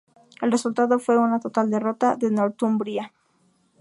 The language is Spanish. El resultado fue una total derrota de Northumbria.